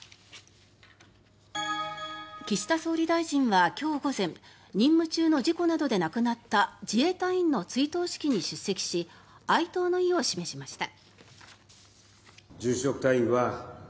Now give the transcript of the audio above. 岸田総理大臣は今日午前任務中の事故などで亡くなった自衛隊員の追悼式に出席し哀悼の意を示しました。